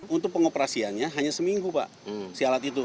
untuk pengoperasiannya hanya seminggu pak si alat itu